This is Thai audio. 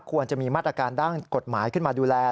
ควรจะมีมาตรการด้านกฎหมายขึ้นมาดูแล